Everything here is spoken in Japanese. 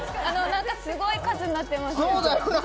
すごい数になってますよ。